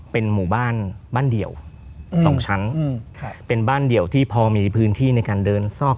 เป็นหมู่บ้านบ้านเดี่ยวสองชั้นเป็นบ้านเดี่ยวที่พอมีพื้นที่ในการเดินซอก